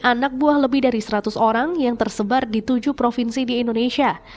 anak buah lebih dari seratus orang yang tersebar di tujuh provinsi di indonesia